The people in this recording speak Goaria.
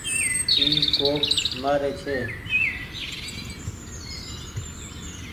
اي ڪوپ مآري ڇي۔